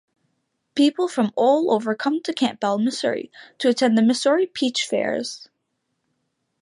People from all over come to Campbell, Missouri to attend the Missouri Peach Fairs.